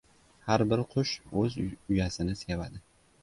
• Har bir qush o‘z uyasini sevadi.